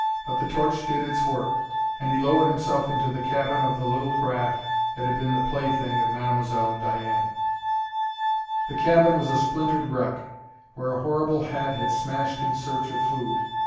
But the torch did its work, and he lowered himself into the cabin of the little craft that had been the plaything of Mademoiselle Diane. The cabin was a splintered wreck, where a horrible head had smashed in search of food.